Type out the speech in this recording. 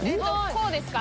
こうですか？